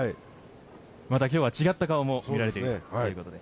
今日は違った顔も見られるということで。